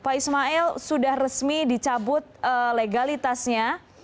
pak ismail sudah resmi dicabut legalitasnya